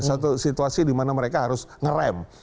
satu situasi di mana mereka harus nge ramp